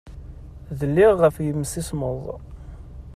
Dliɣ ɣef yimsismeḍ.